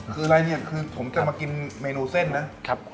คืออะไรเนี่ยคือผมจะมากินเมนูเส้นนะ